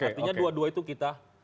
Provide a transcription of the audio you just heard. artinya dua dua itu kita